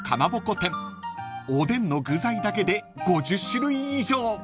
［おでんの具材だけで５０種類以上］